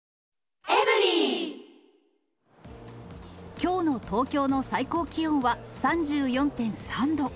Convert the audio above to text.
きょうの東京の最高気温は３４．３度。